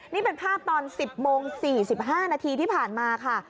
นี่เป็นภาพตอน๑๐โมง๔๕นาทีที่ผ่านมาค่ะ